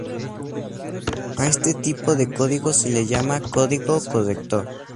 A este tipo de código se le llama código corrector.